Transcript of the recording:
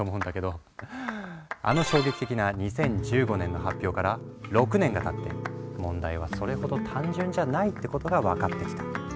あの衝撃的な２０１５年の発表から６年がたって問題はそれほど単純じゃないってことが分かってきた。